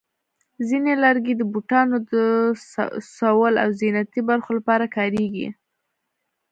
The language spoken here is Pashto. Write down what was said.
ځینې لرګي د بوټانو د سول او زینتي برخو لپاره کارېږي.